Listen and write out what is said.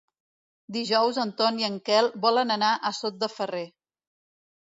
Dijous en Ton i en Quel volen anar a Sot de Ferrer.